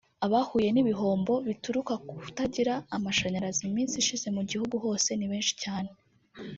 Abahuye n’ibihombo bituruka ku kutagira amashanyarazi mu minsi ishize mu gihugu hose ni benshi cyane